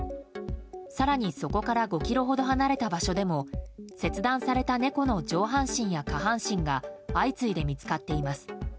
更に、そこから５ｋｍほど離れた場所でも切断された猫の上半身や下半身が相次いで見つかっています。